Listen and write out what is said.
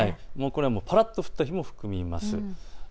これはぱらっと降った日も含みます。